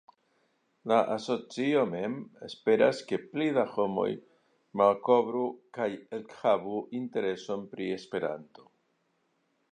La asocio mem esperas ke pli da homoj malkovru kaj ekhavu intereson pri Esperanto.